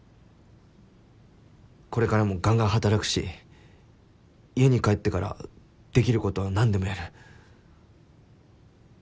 これからもがんがん働くし家に帰ってからできることは何でもやる。